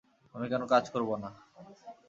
আমি কেন কাজ করব না?